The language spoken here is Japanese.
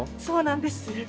そうなんです。